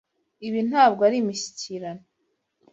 Ibi ntabwo ari imishyikirano.